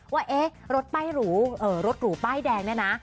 ว่ารถป้ายหรูรถหรูป้ายแดงเนี่ยนะ